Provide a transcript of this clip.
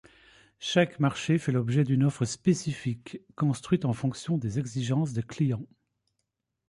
Chaque marché fait l'objet d'une offre spécifique construite en fonction des exigences des clients.